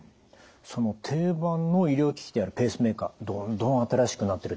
その定番の医療機器であるペースメーカーどんどん新しくなってるってことですね。